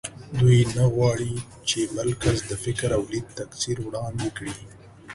دوی نه غواړ چې بل کس د فکر او لید تکثر وړاندې کړي